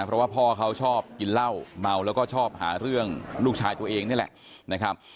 เพราะว่าพ่อเขาชอบกินเหล้าเมาแล้วก็ชอบหาเรื่องลูกชายตัวเองนี่แหละนะครับ